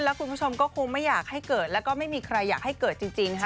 แล้วคุณผู้ชมก็คงไม่อยากให้เกิดแล้วก็ไม่มีใครอยากให้เกิดจริงค่ะ